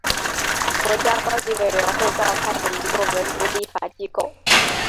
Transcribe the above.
国家高级委员会召开的一个文职立法机构。